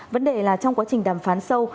vấn đề là trong quá trình đàm phán sâu